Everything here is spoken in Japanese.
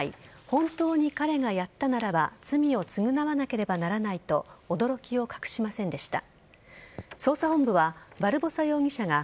本当に彼がやったならば罪を償わなければならないと驚きを隠しませんでした。